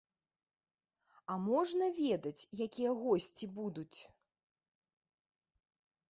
А можна ведаць, якія госці будуць?